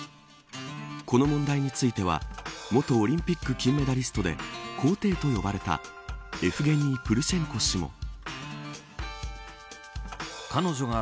この問題については元オリンピック金メダリストで皇帝と呼ばれたエフゲニー・プルシェンコ氏も。